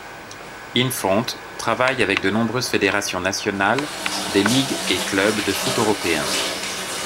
Infront travaille avec de nombreuses Fédérations Nationales, des Ligues et clubs de foot européens.